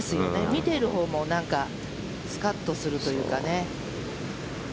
見ているほうもなんかスカッとするというかね。